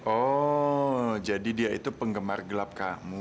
oh jadi dia itu penggemar gelap kamu